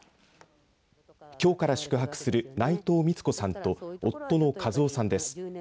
きょうから宿泊する内藤光子さんと夫の一男さんです。